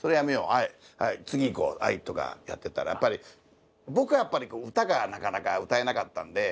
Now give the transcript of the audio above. はいはい次行こうとかやってたらやっぱり僕は歌がなかなか歌えなかったんで。